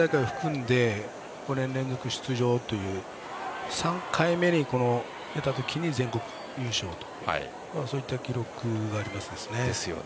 記念大会を含んで５年連続出場と３回目に出たときに全国優勝そういった記録があります。